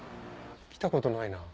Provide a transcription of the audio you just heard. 来たことないな。